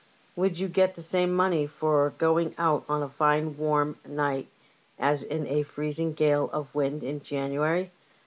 " Would you get the same money for going out on a fine warm night as in a freezing gale of wind in January